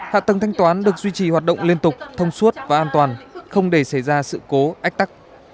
hạ tầng thanh toán được duy trì hoạt động liên tục thông suốt và an toàn không để xảy ra sự cố ách tắc